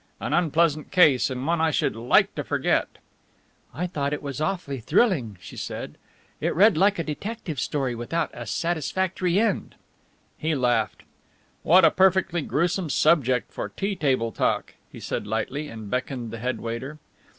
"An unpleasant case and one I should like to forget." "I thought it was awfully thrilling," she said. "It read like a detective story without a satisfactory end." He laughed. "What a perfectly gruesome subject for tea table talk," he said lightly, and beckoned the head waiter.